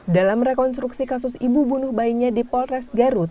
dalam rekonstruksi kasus ibu bunuh bayinya di polres garut